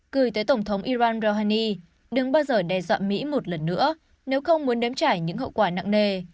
gửi tới tổng thống iran rohani đừng bao giờ đe dọa mỹ một lần nữa nếu không muốn đếm trải những hậu quả nặng nề